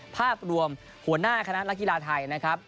ภาพรวมหัวหน้าคณะนักกีฬาไทยนะครับ